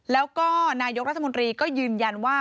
แล้วก็นายกรัฐมนตรีก็ยืนยันว่า